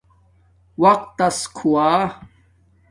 وقتس کھوا